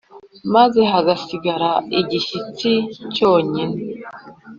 maze hazasigare igishyitsi cyonyine.